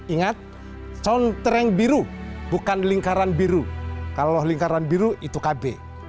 ingat contreng biru bukan lingkaran biru kalau lingkaran biru itu kb